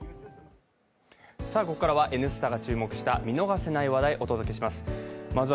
ここからは「Ｎスタ」が注目した見逃せない話題をお届けします。